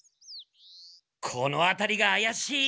このあたりがあやしい！